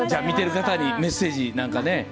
見てる方にメッセージなんかね。